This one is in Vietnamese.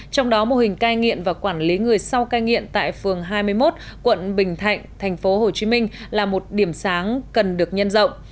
trong đó mô hình cai nghiện và quản lý người sau cai nghiện tại phường hai mươi một quận bình thạnh thành phố hồ chí minh là một điểm sáng cần được nhân rộng